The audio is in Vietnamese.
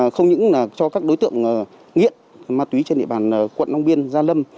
không những cho các đối tượng nghiện ma túy trên địa bàn quận long biên gia lâm